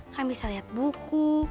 kan bisa liat buku